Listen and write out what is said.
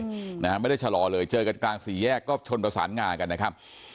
อืมนะฮะไม่ได้ชะลอเลยเจอกันกลางสี่แยกก็ชนประสานงากันนะครับ